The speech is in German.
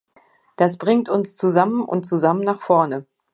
Das bringt uns zusammen und zusammen nach vorne.